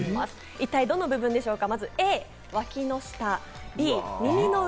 一体どの部分でしょうか？